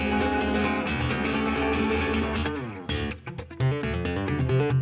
ก็จะรับมาต้องการ